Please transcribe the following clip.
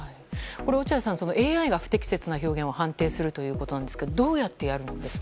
落合さん、ＡＩが不適切な表現を判定するということですがどうやってやるんですか？